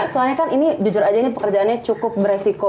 soalnya kan ini jujur aja ini pekerjaannya cukup beresiko